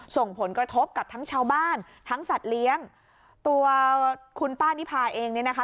ส่งผลกระทบกับทั้งชาวบ้านทั้งสัตว์เลี้ยงตัวคุณป้านิพาเองเนี่ยนะคะ